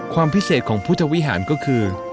ความพิเศษของพุทธวิหารก็คือ